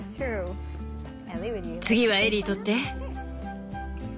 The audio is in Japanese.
次はエリー取って。